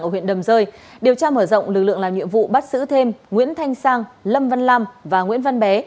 ở huyện đầm rơi điều tra mở rộng lực lượng làm nhiệm vụ bắt giữ thêm nguyễn thanh sang lâm văn lam và nguyễn văn bé